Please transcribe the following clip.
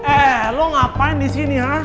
eh lo ngapain disini ya